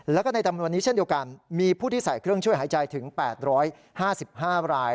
แล้วก็ในจำนวนนี้เช่นเดียวกันมีผู้ที่ใส่เครื่องช่วยหายใจถึง๘๕๕ราย